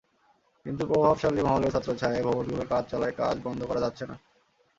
কিন্তু প্রভাবশালী মহলের ছত্রচ্ছায়ায় ভবনগুলোর কাজ চলায় কাজ বন্ধ করা যাচ্ছে না।